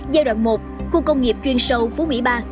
giai đoạn một khu công nghiệp chuyên sâu phú mỹ ba